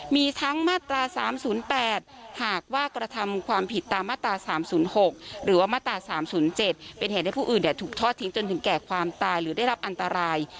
มีทั้งมาตรา๓๐๘หากว่ากระทำความผิดตามมาตรา๓๐๖หรือว่ามาตรา๓๐๗เป็นเหตุให้ผู้อื่นถูกทอดทิ้งจนถึงแก่ความตายหรือได้รับอันตราย